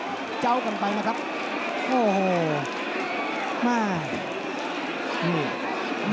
นี่หนึ่งสองสามเป็นของกับเกมสีแดงนะครับ